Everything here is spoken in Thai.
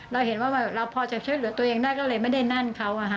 เราเห็นว่าเราพอจะช่วยเหลือตัวเองได้ก็เลยไม่ได้นั่นเขา